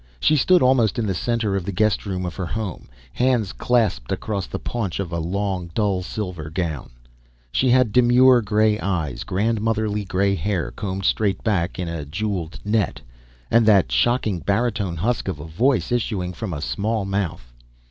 She stood almost in the center of the guest room of her home, hands clasped across the paunch of a long, dull silver gown. She had demure gray eyes, grandmotherly gray hair combed straight back in a jeweled net and that shocking baritone husk of a voice issuing from a small mouth.